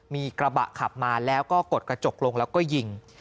มีกระบะขับมาแล้วก็กดกระจกลงแล้วก็ยิง